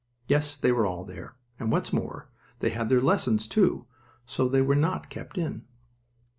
Yes, they were all there, and, what's more, they had their lessons, too, so they were not kept in.